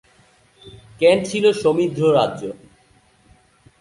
Kent ছিল সমৃদ্ধ রাজ্য।